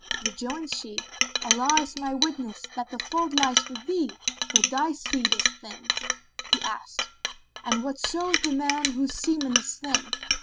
Rejoined she, "Allah is my witness that the fault lies with thee, for that thy seed is thin." He asked, "And what showeth the man whose semen is thin?"